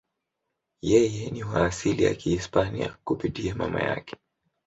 Yeye ni wa asili ya Kihispania kupitia mama yake.